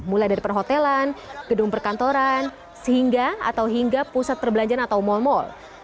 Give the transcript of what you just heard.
mulai dari perhotelan gedung perkantoran sehingga atau hingga pusat perbelanjaan atau mal mal